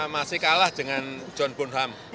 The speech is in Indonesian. masih kalah dengan john bunham